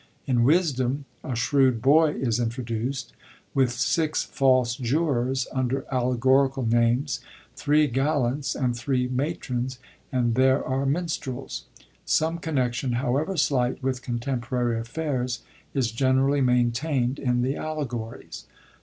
In Wisdom^ a 'shrewd boy' is intro duced, with six false jurors under allegorical names, three gallants and three matrons, and there are minstrels. Some connexion, however slight, with contemporary affairs is generally maintaind in the allegories.